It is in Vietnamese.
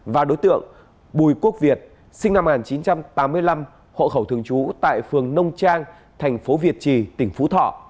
và đối tượng bùi quốc việt sinh năm một nghìn chín trăm tám mươi năm hộ khẩu thường trú tại phường nông trang thành phố việt trì tỉnh phú thọ